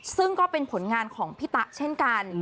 ซึ่งก็เป็นผลงานของพี่ตะเช่นกัน